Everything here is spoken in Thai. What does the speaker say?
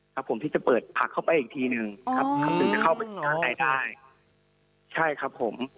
ครับผมที่จะเปิดผักเข้าไปอีกทีหนึ่งครับคำถึงจะเข้าไปข้างในได้ใช่ครับผม